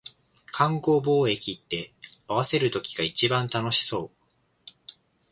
勘合貿易って、合わせる時が一番楽しそう